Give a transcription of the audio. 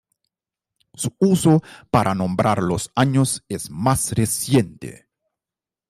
Su uso para nombrar los años es más reciente.